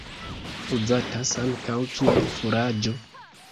Uzatas ankaŭ kiel furaĝo.